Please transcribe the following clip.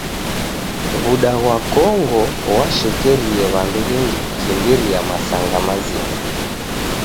W'uda ghwa Kongo ghwashekerie w'andu w'engi kukimbiria masanga mazima.